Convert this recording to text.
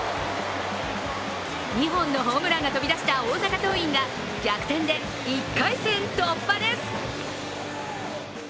２本のホームランが飛び出した大阪桐蔭が逆転で１回戦突破です。